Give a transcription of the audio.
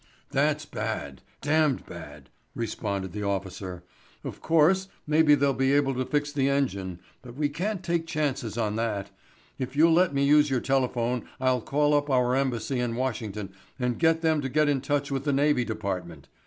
"That's bad—damned bad," responded the officer. "Of course, maybe they'll be able to fix the engine but we can't take chances on that. If you'll let me use your telephone I'll call up our embassy in Washington and get them to get in touch with the Navy Department.